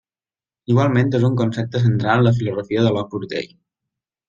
Igualment és un concepte central en la filosofia de l'Opus Dei.